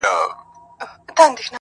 • زه د سر په بدله ترې بوسه غواړم,